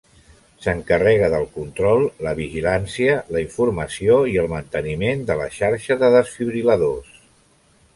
S’encarrega, del control, la vigilància, la informació i el manteniment de la xarxa de desfibril·ladors.